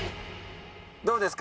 どうですか？